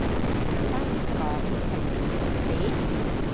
簡單啲講即係自以為是？